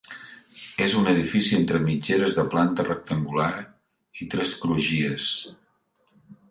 És un edifici entre mitgeres de planta rectangular i tres crugies.